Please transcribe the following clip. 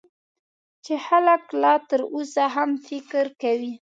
چې خلک لا تر اوسه هم فکر کوي .